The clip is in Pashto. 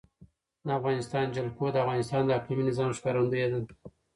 د افغانستان جلکو د افغانستان د اقلیمي نظام ښکارندوی ده.